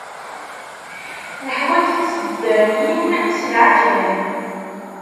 Neḥwaǧ tiseddaryin s lεeǧlan.